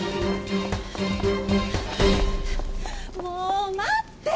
もう待って！